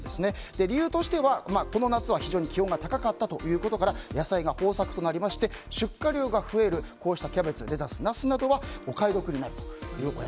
理由としてはこの夏は非常に気温が高かったことから野菜が豊作となりまして出荷量が増えるキャベツレタス、ナスなどは安くなると。